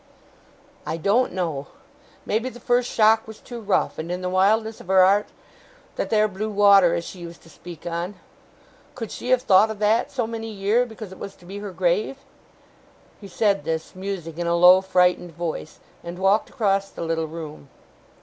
'I doen't know. Maybe the first shock was too rough, and in the wildness of her art ! That there blue water as she used to speak on. Could she have thowt o' that so many year, because it was to be her grave!' He said this, musing, in a low, frightened voice; and walked across the little room.